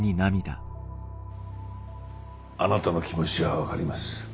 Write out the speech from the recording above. あなたの気持ちは分かります。